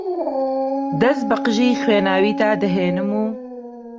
دەست بە قژی خوێناویتا دەهێنم و